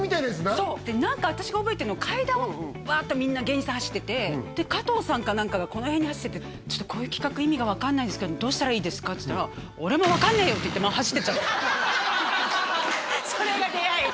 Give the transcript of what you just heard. そう私が覚えてんのは階段をバーッとみんな芸人さん走っててで加藤さんか何かがこのへんに走っててこういう企画意味が分かんないんですけどどうしたらいいですかって言ったら走ってっちゃったのそれが出会い？